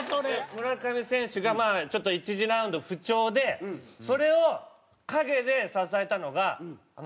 村上選手がまあちょっと１次ラウンド不調でそれを陰で支えたのが鈴木誠也選手。